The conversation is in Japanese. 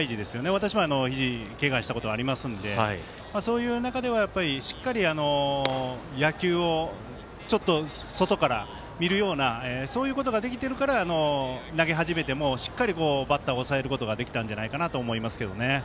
私もひじをけがしたことありますのでそういう中では、しっかり野球を外から見るようなそういうことができてるから投げ始めてもバッターを抑えることができたんじゃないかと思います。